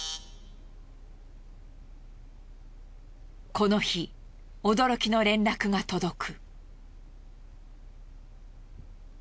この日驚きの連絡が届く。